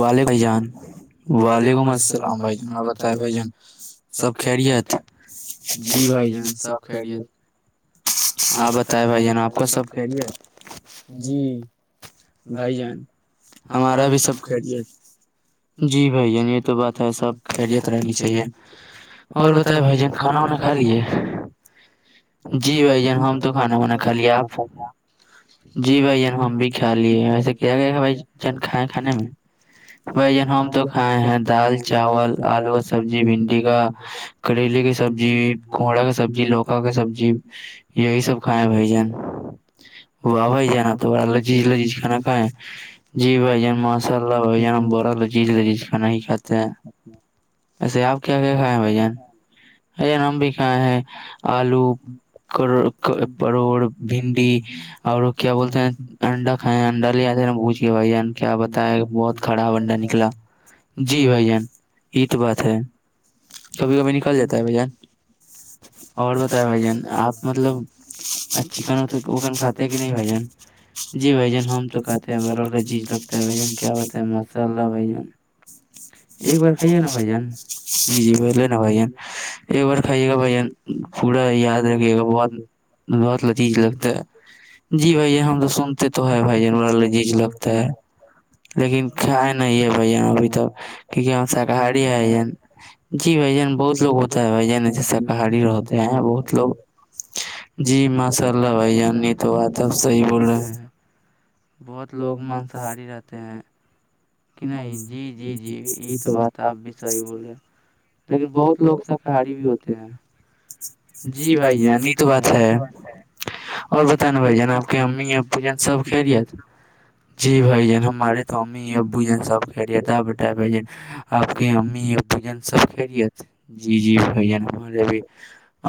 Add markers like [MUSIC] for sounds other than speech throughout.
والے بھائی جان وعلیکم السلام بھائی جن آ بتائے بھائی جان سب خیریت جی بھائی جان سب خے آپ بتائے بھائی ج نا آپ کا سب کھیلی ہے جی بھائی جان ہمارا بھی سب خرییاس جی بھائیان یہ تو بات ہے سب خیریت رہنی چاہیے اور بتائے بھائی جان کھانا وانا کھا لیی ہے جی بھائی جان ہم تو کھانا مان خالی آپ جی بھائی ہم بھی کھا لیے ویسے کیا گیا بھائی چ کھ کھانے میں بھائی جن ہم تو کھائے ہیں دال چاول آلو سبزی بھنڈی کا کریلے کی سبزی کوھوڑا کا سبزی لوکا کا سبزی یہی سب کھائےیں ب جان واہ بھائی جانا تو بڑا لذیذ لذیذ کھانا کھیں جی بھائی جان ما اناء اللہ بھائی جان ہم بورا لو جیز ل جیز کھانا ہی کھاتے ہیں ویسے آپ کیا کیا کھائے ہیں بھائی جان ا ہم بھی کھائے ہیں آلو کر پروڑ بھنڈی اور کیا بولتے ہیں انڈا کائے انڈا لے آتے ہیں نا پوچھے بھائی بہت کراب انڈا نکلا جی بھائی جان یہ تو بات ہے سھی کا میں نک جائے ت بجے اور بتائے بھائی جان آپ مطلب اچ کن کن کھاتے کہ نہیں بھ جان جی بھائی جان ہم تو کھاتے ہیں بار الا جیز لگتا ہے بھائیان کیا بتیں ماشاء اللہ بھائیان [INAUDIBLE] یہ بار کھے نہا ہوائی جان بجی پ ل نہا ہوائی جان ایک بار کھے گا بائی جان پورا یاد رکھے گا بہت بہت لتییج لگتا ہے جی بھائی ہم تو سنتے تو ہے بھائی جور جیج لگتا ہے لیکن کھائے نہیں ہے بھیا ابھی تک کیونکہ وہاں شاکاہاری ہے ب جی بھ جان بہت لوگ ہوتا ہے بھ جن ایسے شاکاہاری ہوتے ہیں بہت ملو جی ماشاء اللہ بھائی جنی تو آاتب صحیح بول رہے بہت لوگ مانساری رہتے ہیں نہیں تو بات آپ سے چل رہی ہے م بہت لوگ س حالی بھی ہوتے ہیں جی بھائینی تو بات ہے اور بت نا بھائی جنا آپ کے امی یہ پوجا سب کلیا تھا جی بھائی جن ہمارے سوامی ابو جن سب ک رہی تھا آپ ب بھ آپ کے پون سب ک لیی جی جی بھائی جان بے بھی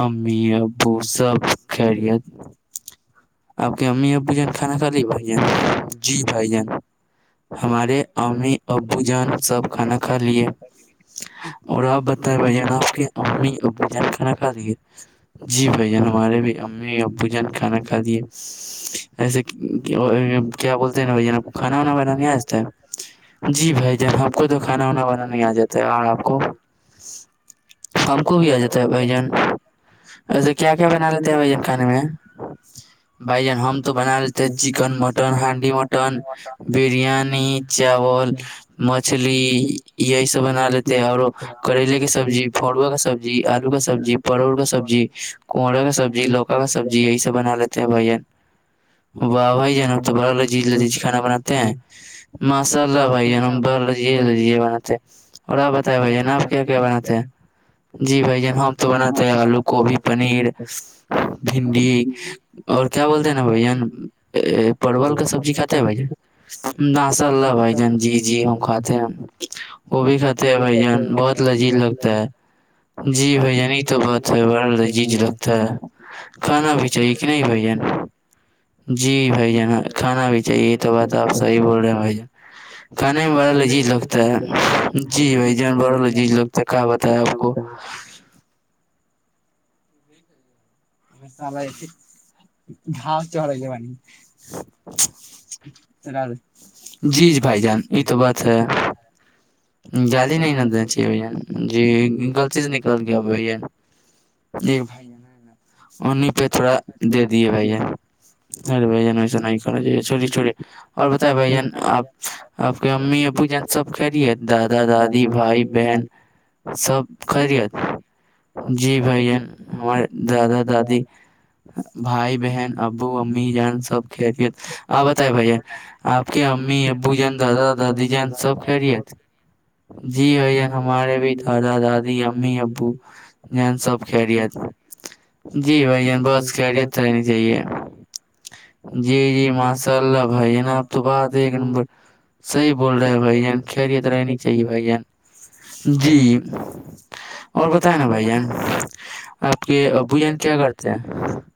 امی ابو سب خرت آپ کی امی ابو جان کھانا کھا ل بھائی جان جی بھائی جان ہمارے امی ابو جان سب کھانا کھا لے اور آپ بتائیں بھان آپ کے امی کو بھ کھانا کھا دیے جی بھائی جان ہمارے بھی امی ابو جان کھانا کھا دیے ایسے کیا بولتے ہیں نا بھائی جناب کانا وانا بنان نہیں آجتا ہے جی بھائی جان ہم کو تو کھانا وانا بنانا نہیں آ جاتا ہے اور آپ کو ہم کو بھی آ جاتا ہے بھائی جان اچھا کیا کیا بنا لیتے ہیں بھ جن کھانے میں بھائی جان ہم تو بنا لیتے ہیں چکن مٹن ہانڈی مٹن بریانی چاول مچھلی یہی سب بنا لیتے اور کریلے کے سبزی پروا کا سبزی آلو کا سبزی پروڑ کا سبزی کوہرا کا سبزی لوکا کا سبزی یہی سب بنا لیتے ہیں بھای جان واہ بھائی جانب تو بڑا لذیز کھانا ‌بناتے ہیں ماشاء اللہ بھیای لزیز لزیز بناتے ہیں اور آپ بتائے بھیا نا آپ کیا کیا بناتے ہیں جی بھائی جان ہم تو بناتے آلو گبھی پنیر بھنڈی اور کیا بولتے ہیں نا بھائی جان پرول کا سبزی کھاتا ہے بھائی جان ماشاء اللہ بھائی جان جی جی ہم کھاتے ہیں وہ بھی کھاتے ہیں بھ جان بہت لذیذ لگتا ہے جی بھ جن تو بات ہے بڑا لذیز لگتا ہے کھانا بھی چاہیے کہ نہیں بھ جی بھائی ج نا کھانا بھی چاہیے یہ تو بات آپ صحیح بول رہے بھائی کھانے میں بڑا لذیز لگتا ہے جی بھائی جان بڑا وال جھل لگتا ہے کہ بتایا آپ کو [INAUDIBLE] [UNINTELLIGIBLE] [UNINTELLIGIBLE] جی جی بھائی جان یہ تو بات ہے گالی نہیں دینا چاہیے بھائی جان غلطی سے نکل گیا بھائی جان جی بھائی جان نا انہیں پہ تھوڑا دے دیے بھای جان ارے بھ جان ویسا نہیں کرنا چاہیے چھوی چھوی اور بتیں بھ جان آپ آپ کے امی اپو جان سب خیریت دادا دادی بھائی بہن سب خیریت جی بھائی ہمارے دادا دادی بھائی بہن ابو امی جان سب خیریت آپ بتائے بھائی آپ کے امی ابو جان دادا دادی جان سب خیریت جی ب یہ ہمارے بھی دادا دادی امی ابو جان سب خریت جی بھائی جان بس خیریت رہنی چاہیے جی جی ماشاء اللہ بھائی جنا آب تو بات ہے ایک نمبر صحیح بول رہے ہیں بھائی جان خیریت رہنی چاہیے بھائی جان جی اور بتائ نا بھائی جان آپ کے ابو جان کیا کرتے ہیں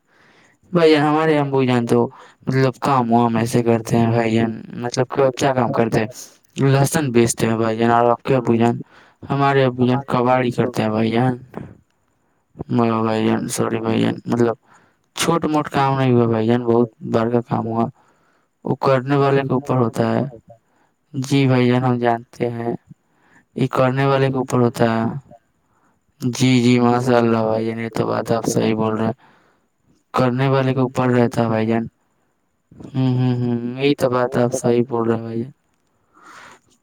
[INAUDIBLE] بھائی جان ہمارے یہاں جان تو مطلب کام وام ایسے کرتے ہیں بھائی جان مطلب کیا کام کرتے ہیں لہسن بیچتے ہیں بھائی جنا کیا بجن ہمارے ابان کباڑی کرتے ہیں بھای جان بھائی جان تھوڑی بھای جان مطلب چھوٹ موٹ کام نہیں ہوا بھائی جان بہت بڑ کا کام ہوا وہ کرنے والے کے اوپر ہوتا ہے جی بھائی جان ہم جانتے ہیں یہ کرنے والے کے اوپر ہوتا ہے جی جی ماشاء اللہ بھائی جان یہ تو بات آپ صحیح بول رہے ہیں کرنے والے کے اوپر رہتا ہے بھائی جان ہمم ہمم ہمم یہ تو بات آپ صحی بول رہے ہیں بھائی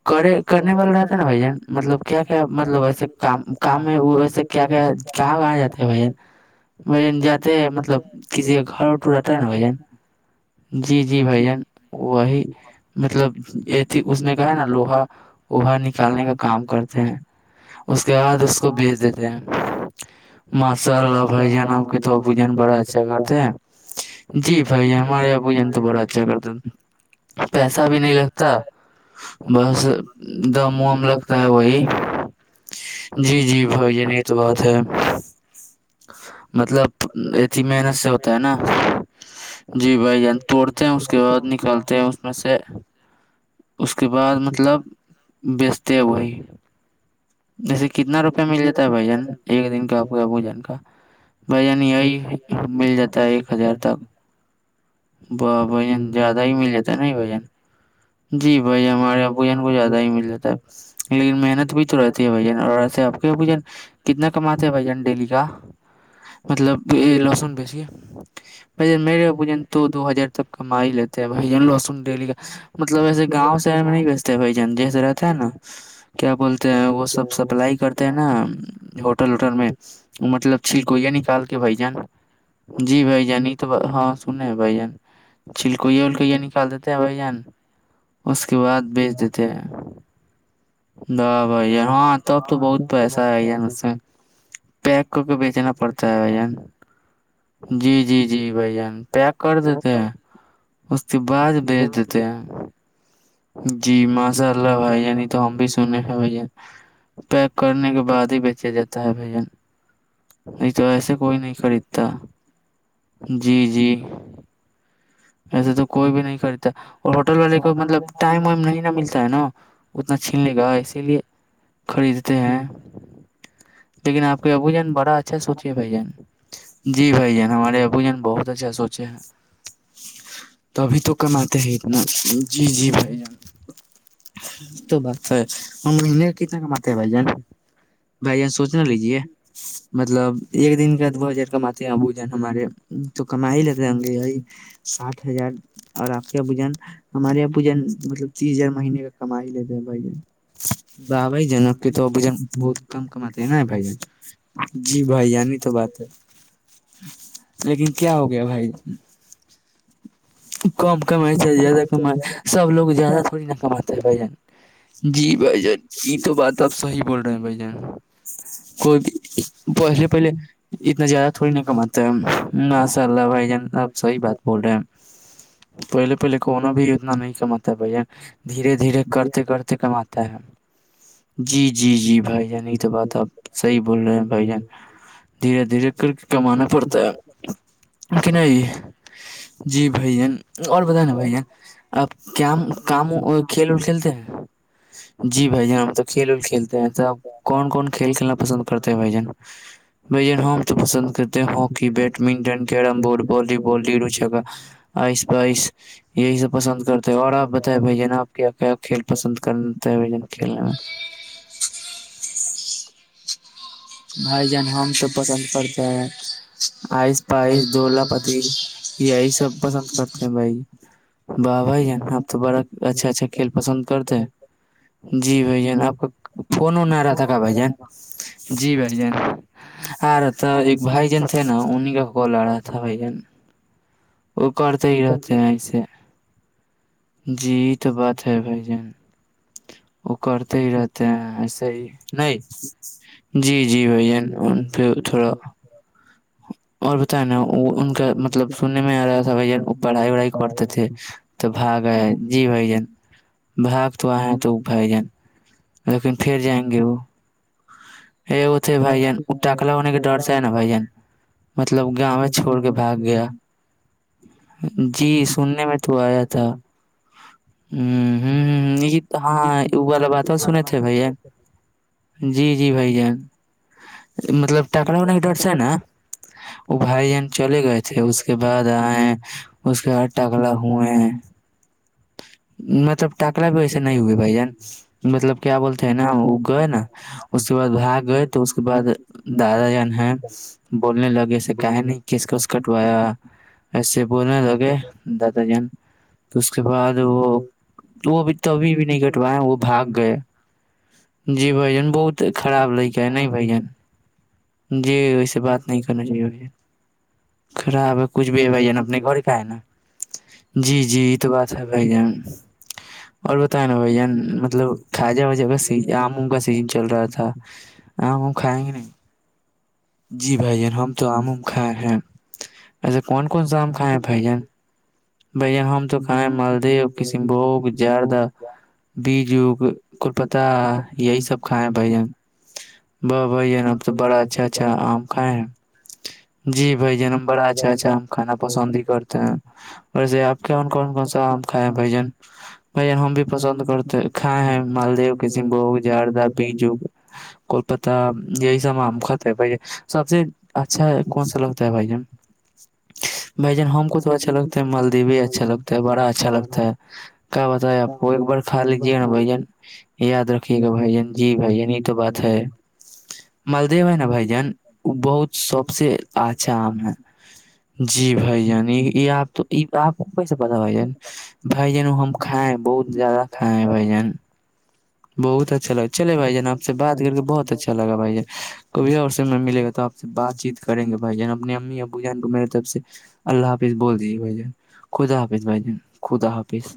کرے کرنے والا رہتا نا بھ جن مطلب کیا کیا مطلب ایسے کام کام میں وہ ویسے کیا کیا کہاں کہاں جاتے ہیں بھن بھن جاتے ہیں مطلب کسی کا گھر و ٹوٹ رہتا ہے نا بھای جان جی جی بھائی جان وہی مطلب یہ تھی اس نے کہا نا لوہا وہاں نکال لیں کا کام کرتے ہیں اس کے بعد اس اس کو بیچ دیتے ہیں ماشاء اللہ بھائی جانام کے تو ابوجان بڑا اچھا اچھا کرتے ہیں جی بھائی ہمارے ابو جان تو بڑا اچھا کرتا پیسہ بھی نہیں لگتا بس دامم لگتا ہے وہی جی جی بھائی جن یہ تو بات ہے مطلب اتنی محنت سے ہوتا ہے نا جی بھائی توڑتے ہیں اس کے بعد نکالتے ہیں اس میں سے اس کے بعد مطلب بیچتے وہی جیسے کتنا روپیہ مل جاتتا ہے بھائی جان ایک دن کا دو دن کا بھائی جنی یہی مل جاتا ہے ایک ہزار تک ب بھائین زیادہ ہی مل جاتتا ہے نا یہ بھن جی بھائی ہمارے یہاں بھوجن کو زیادہ ہی مل جاتا ہے لیکن محنت بھی تو رہتی ہے بھائی اور ایسے آپ کے یہ بھوجن کتنا کماتے ہیں بھائیان ڈیلی کا مطلب لہسن بیچیے بھائی میرے بجن تو دو ہزار تک کم ہی لیتے ب جن لو بس ڈیلی کا مطلب ویسے گاؤں شہر میں نہیں بیچتے بھ جان جیسے رہتا ہے نا کیا بولتے ہیں وہ سب سپلائی کرتے تا ہے نا ہوٹل وٹل میں مطلب چلکوئییا نکال کے بھ جن جی بھائی جان یہ تو ہاں سنیں ہیں بھائی جان چلکویا ولکیا نکال دیتے بھائی جان اس کے بعد بیچ دیتے ہیں بابائی ہاں تب تو بہت پیسہ ہے ہے مج سے پیک کر کے بیچناا پڑتا ہے بھجن جی جی جی بھ جان پیک کر دیتے ہیں اس کے بعد بیچ دیتے ہیں جی ماشاء اللہ بھائی عنی تو ہم بھی س بھ پیک کرنے کے بعد ہی بیچا جاتا ہے بھجن نہیں تو ایسے کوئی نہیں خریدتا جی جی ایسے تو کوئی بھی نہیں خریدتا اور ہوٹل والے کو مطلب ٹائم وائم نہیں ن ملتا ہے نا اتنا چھین لے گا اسی لیے خریدتے ہیں [UNINTELLIGIBLE] [INAUDIBLE] لیکن آپ کے ابو جن بڑا اچھا سوچیے بھائی جان جی بھائی جان ہمارے ابو جان بہت اچھا سوچ چ [INAUDIBLE] تبھی تو کماتے ہیں اتنا جی جی بھائی جان تو بات ہے ہمیں کتنا کماتے ہیں بھائی جان بھائی یہان سوچ نہ لیجیے مطلب ایک دن کاد ج کماتےب ج ہمارے تو کم ہی لتے ہوں گے بائی سات ہزار اور آپ کے یہ پوجن ہمارے یہ پوجن مطلب تیس ہزار مہینے کما ہی لیتے ہیں بھائی یہ ب بائی جنک کی تو اب جان ب کہناا ہے بھ جی بھائیانی تو بات ہے لیکن کیا ہو گیا بھائی کم کمائی چ زیادہ کم سب لوگ زیادہ تھوڑی کم چ رہے ہیں جی بھائی جان یہ تو بات آپ سے ب رہے کوئی بھی پہلے پہلے اتنا زیادہ تھوڑی نہیں کماتا ہے ناساء اللہ بھائی جان آپ صحیح بات بول رہے ہیں پہلے پہلے کونا بھی اتنا نہیں کماتا ہے بھیا دھیرے دھیرے کرتے کرتے کماتا ہے جی جی جی بھائی جان یہی تو بات آپ صحیح بول رہے ہیں بھائی جان دھیرے دھیرے کر کے کمانا پڑتا ہے کہ نہیں جی بھائی اور بت نا بھائییا آپ کیام کام کھیل ول کھیلتے ہیں جی بھائی جان ہم تو کھیل ول کھیلتے ہیں تو کون کون کھیل کھیلنا پسند کرتے ہیں بھائی جان بھ ج ہم تو پسند کرتے ہیں hockey badminton carrom board volleyball چا آئس بائس یہی سب پسند کرتے ہیں اور آپ بتائیں بھائی ج نا آپ کیا کیا کھیل پسند کرتے ہیں ون کھیلنے میں بھائی جان ہم سب پسند کرتے ہے آئس پائس دولا پتی یہ ہی سب پسند کرتے ہیں بھائی با بائی ہے آپ تو بڑا اچھا اچھا کھیل پسند کرتے ہے جی بھ جان آپ کا فون ہونا رہا تھا کا بھ جان جی بھائی جان ارے تو ایک بھائی جان تھے نا انہیں کا کو ل رہا تھا بھائی جان وہ کرتے ہی رہتے ہیں ایسے جی یہ تو بات ہے بھائی ج وہ کرتے ہی رہتے ہیں ایسے ہی نہیں جی جی بھائی جین پھر تھوڑا اور بتیں نا وہ ان کا مطلب سننے میں آ رہا ہے سب ب ج پڑھائی وڑھائی کرتے تھے تو باگئے جی بھ جن بھاگ تو آئے تو بھائی جان لیکن پھر جائیں گے وہ یہ وہ تھے بائی جان ڈاکلا ان کے ڈر چائے نا بائی جان مطلب گاؤں چھوڑ کے باگ گیا جی سننے میں تو آیا تھا ہ ہ ہ تو ہاں ا والا بات سن تھے بھ جی جی بھائی جان مطلب ٹکا وغ کی ڈر سے ہے نا وہ بھائی جان چلے گئے تھے اس کے بعد آئے اس کے ہاتد ٹکلا ہوئے مطلب ٹاکلا بھی ویسے نہیں ہوئے بھائی جان مطلب کیا بولتے ہیں نا وہ گئے نا اس کے بعد بھاگ گئے تو اس کے بعد دادا جان ہیں بولنے لگے سےے کہے نہیں کس کس کٹوایا ایسے بولنے لگے دادا جان اس کے بعد وہ وہ بھی توبھی بھی نہیں کٹوائے وہ بھاگ گئے جی بھ جن بہت خراب لائک ہے نہیں بھ جن جی ویے بات نہیں کرنا چاہیے مجھے خراب ہے کچھ بھائی جان اپنے گھر کا ہے نا جی جی یہ تو بات ہے بھائی جان اور بتائے نا بھ جان مطلب کجا وازہ کا سی آموم کا سیزن چل رہا تھا آم کھائیں گے نہیں جی بھائی جان ہم تو آم کھائے ہیں ایسے کون کون سام کائے ہیں بھائی جان بھیا ہم تو کہیں مالدیو کسین بھوگ جاردہ بیجو کلپتہ یہی سب کھیں بھائی جان باہ بھائی یہ ن اب تو بڑا اچھا اچھا آم کہاں ہے [UNINTELLIGIBLE] جی بھائی جان بڑا اچھا اچھا ہم کھانا پسند ہی کرتے ہیں ویسے آپ کون کون کون سا آم کھائے بھجن بھ جن ہم بھی پسند کرتے کھائےیں ہیں مالدیو کسینم بھگ جاردہ بجو کولپتہ یہی سب آام بھائی سب سے اچھا کون سا لگتا ہے بھائی جان بھ جان ہم کو تو اچھا لگتا ملدی بھی اچھا لگتا ہے بڑا اچھا لگتا ہے کیا بت ہے آپ کو ایک بار کھا لیجیے نا بھ جن یاد رکھیے گا بھائی جن جی بھائی جن یہ تو بات ہے مالدیو ہے نا بھجن بہت سب سے اچھا آام ہے جی بھائی یعنی یہ آپ تو یہ بپ کو سب سے پتا ب بھائی جن وہ ہم کائے بہت زیادہ کھائے بھ جن بہت اچھا لگا چلے بھائی جان آپ سے بات کر کے بہت اچھا لا بھائی جان کبھی اور سم میں ملے گا تو آپ بات چیت کریں گے بھائی جان اپنی امی پو جان کو میرے طرف سے اللہ حافظ بول دیجیے بھائی جان خدا حافظ بھ خدا حافظ